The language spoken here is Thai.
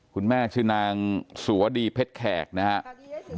คุณแม่ชื่อนางสุวดีเพชรแขกนะครับ